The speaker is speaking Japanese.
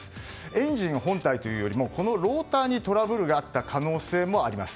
エンジンの本体というよりもローターにトラブルがあった可能性があります。